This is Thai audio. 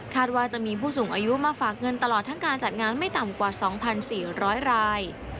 ว่าจะมีผู้สูงอายุมาฝากเงินตลอดทั้งการจัดงานไม่ต่ำกว่า๒๔๐๐ราย